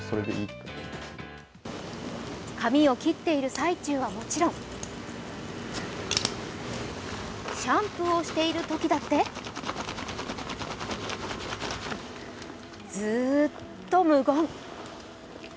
髪を切っている最中はもちろんシャンプーをしているときだってずっと無言。